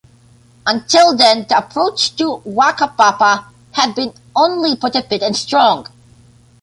Until then the approach to Whakapapa had been only for the fit and strong.